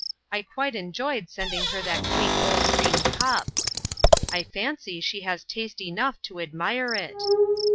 I quite enjoyed sending her that quaint old cream cup. I fancy she has taste enough to admire it."